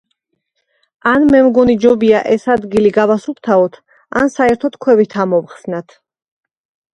ან მე მგონი ჯობია ეს ადგილი გავასუფთავოთ, ან საერთოდ ქვევით ამოვხსნათ.